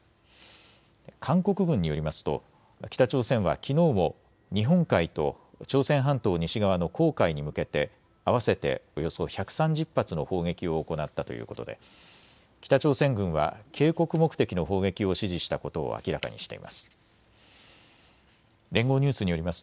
韓国軍によりますと北朝鮮はきのうも日本海と朝鮮半島西側の黄海に向けて合わせておよそ１３０発の砲撃を行ったということで北朝鮮軍は警告目的の砲撃を指示したことを明らかにしています。